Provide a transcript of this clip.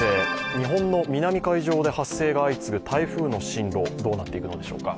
日本の南海上で発生が相次ぐ台風の進路、どうなっていくんでしょうか。